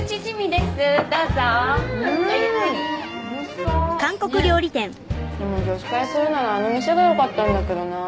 でも女子会するならあの店が良かったんだけどな。